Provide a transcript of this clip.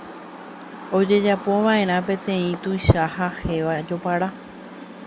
ojejapova'erã peteĩ tuicha ha héva jopara